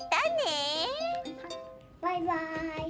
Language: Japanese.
バイバイ！